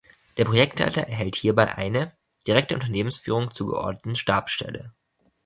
Der Projektleiter erhält hierbei eine, direkt der Unternehmensführung zugeordneten Stabsstelle.